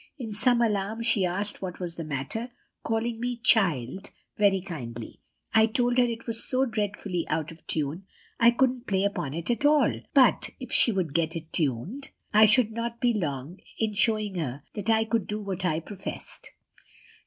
In some alarm she asked what was the matter, calling me child very kindly. I told her it was so dreadfully out of tune I couldn't play upon it at all; but, if she would get it tuned, I should not be long in showing her that I could do what I professed.